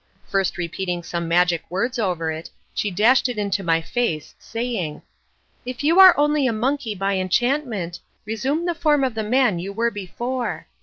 First repeating some magic words over it, she dashed it into my face saying, "If you are only a monkey by enchantment, resume the form of the man you were before."